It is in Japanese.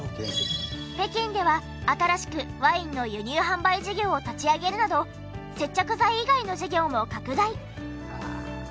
北京では新しくワインの輸入販売事業を立ち上げるなど接着剤以外の事業も拡大。